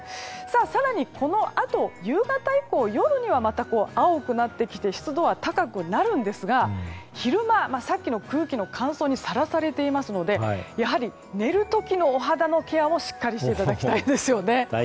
更にこのあと夕方以降夜にはまた青くなってきて湿度は高くなるんですが昼間、さっきの空気の乾燥にさらされていますのでやはり、寝る時のお肌のケアもしっかりしていただきたいですね。